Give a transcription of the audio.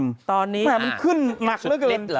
เป็นไหมมันขึ้นหนักเลย